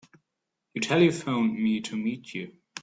You telephoned me to meet you.